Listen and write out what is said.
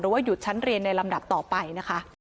ว่าหยุดชั้นเรียนในลำดับต่อไปนะคะ